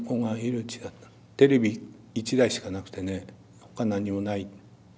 テレビ１台しかなくてねほか何にもない。